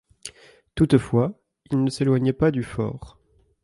Toutefois, ils ne s’éloignaient pas du fort.